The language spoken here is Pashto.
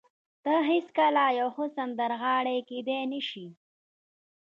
ته هېڅکله یوه ښه سندرغاړې کېدای نشې